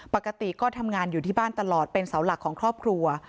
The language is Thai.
ปกติก็ทำงานอยู่ที่บ้านตลอดเป็นเสาหลักของครอบครัว